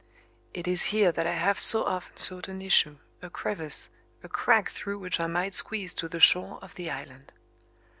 It is here that I have so often sought an issue, a crevice, a crack through which I might squeeze to the shore of the island.